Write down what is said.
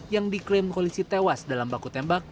yang diklaim polisi tewas dalam baku tembak